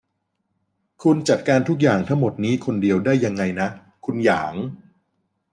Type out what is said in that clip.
คุณจัดการทุกอย่างทั้งหมดนี้คนเดียวได้ยังไงนะ คุณหยาง